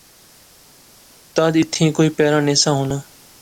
تد ایتھیں کوئی پہرہ نہسا ہونا